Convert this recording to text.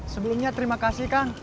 sebelumnya terima kasih kang